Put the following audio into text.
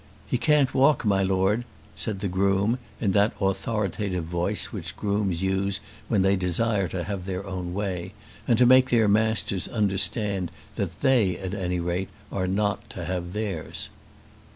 "He can't walk, my Lord," said the groom, in that authoritative voice which grooms use when they desire to have their own way, and to make their masters understand that they at any rate are not to have theirs.